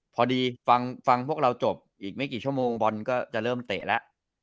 พอดีฟังพวกเราจบอีกไม่กี่ชั่วโมงบอลก็จะเริ่มเตะแล้ว